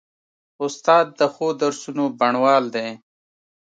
استاد د ښو درسونو بڼوال دی.